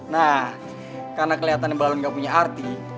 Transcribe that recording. nah karena kelihatannya balon gak punya arti